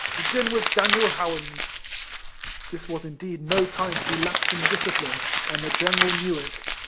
Begin with Daniel Howans." This was indeed no time to be lax in dis cipline, and the general knew it.